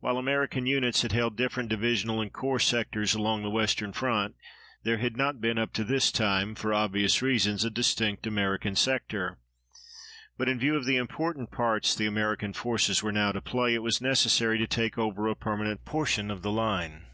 While American units had held different divisional and corps sectors along the western front, there had not been up to this time, for obvious reasons, a distinct American sector; but, in view of the important parts the American forces were now to play, it was necessary to take over a permanent portion of the line.